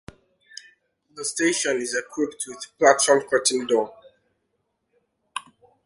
The station is equipped with platform curtain door.